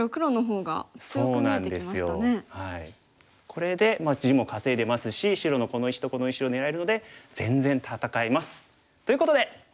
これで地も稼いでますし白のこの石とこの石を狙えるので全然戦えます！ということで。